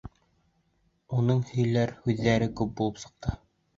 Уның һөйләр һүҙе күп булып сыҡты.